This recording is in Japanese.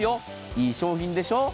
いい商品でしょ。